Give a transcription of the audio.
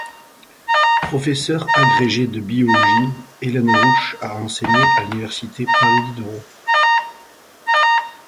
Professeur agrégée de biologie, Hélène Rouch a enseigné à l'université Paris Diderot.